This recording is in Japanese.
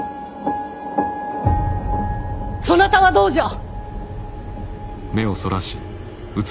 そなたはどうじゃ！